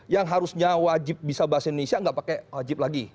yang harusnya wajib bisa bahasa indonesia nggak pakai wajib lagi